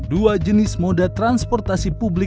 huru bul liedit melihat depan imposisi protek dis dua ribu satu